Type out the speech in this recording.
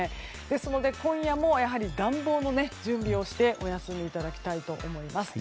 ですので、今夜も暖房の準備をしてお休みいただきたいと思います。